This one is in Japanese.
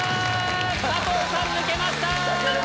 佐藤さん抜けました！